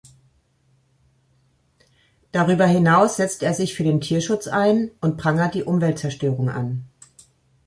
Darüber hinaus setzt er sich für den Tierschutz ein und prangert die Umweltzerstörung an.